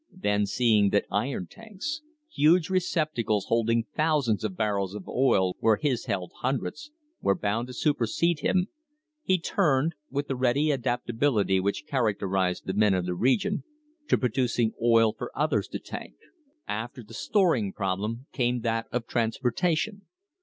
Then seeing that iron tanks — huge receptacles holding thousands of bar rels where his held hundreds — were bound to supersede him, he turned, with the ready adaptability which characterised the men of the region, to producing oil for others to tank. After the storing problem came that of transportation.